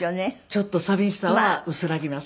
ちょっと寂しさは薄らぎます。